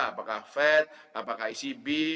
apakah fed apakah icb